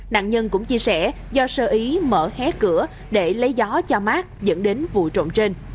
nạn nhân cũng chia sẻ do sơ ý mở hé cửa để lấy gió cho mát dẫn đến vụ trộm trên